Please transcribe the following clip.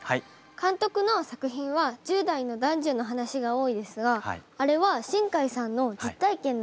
監督の作品は１０代の男女の話が多いですがあれは新海さんの実体験なんですか？